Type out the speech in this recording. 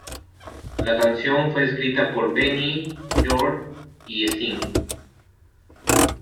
La canción fue escrita por Benny, Björn y Stig.